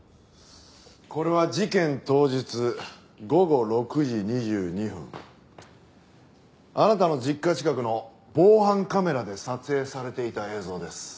これは事件当日午後６時２２分あなたの実家近くの防犯カメラで撮影されていた映像です。